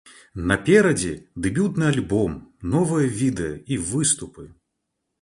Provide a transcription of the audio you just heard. Наперадзе дэбютны альбом, новыя відэа і выступы!